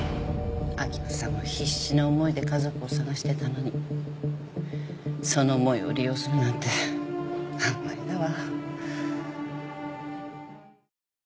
明生さんは必死な思いで家族を捜してたのにその思いを利用するなんてあんまりだわ。